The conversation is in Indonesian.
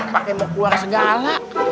pakai mau keluar segala